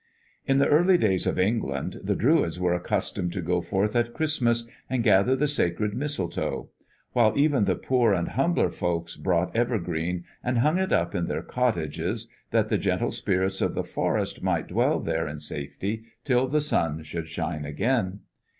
In the early days of England the Druids were accustomed to go forth at Christmas and gather the sacred mistletoe; while even the poor and humbler folk brought evergreen and hung it up in their cottages, that the gentle spirits of the forest might dwell there in safety till the sun should shine again.